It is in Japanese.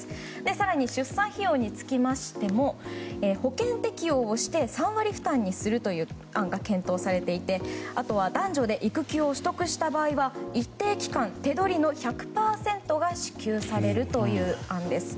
更に、出産費用につきましても保険適用をして３割負担にするという案が検討されていてあとは男女で育休を取得した場合は一定期間、手取りの１００％が支給されるという案です。